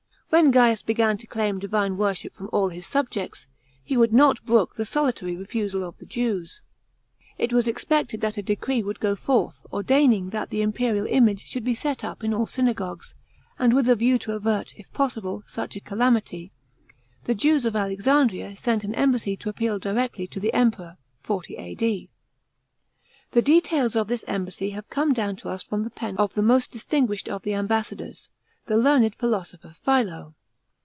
When Gaius began to claim divine worship from all his subjects, he would not brook the solitary refusal of the Jews. It was expected that a decree would go forth, ordaining that the imperial image should be set up in all synagogues ; and with a view to avert, if possible, such a calamity, the Jews of Alexandria sent an embassy to appeal directly to the Emperor (40 A.D.). The details of this embassy have come down to us from the pen of the most distinguished of the ambassadors, the learned philosopher Philo.